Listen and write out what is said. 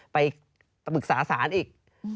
ไปปรึกษาศาสตร์อีก